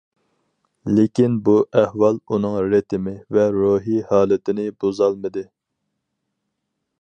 لېكىن بۇ ئەھۋال ئۇنىڭ رىتىمى ۋە روھىي ھالىتىنى بۇزالمىدى.